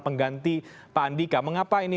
pengganti pak andika mengapa ini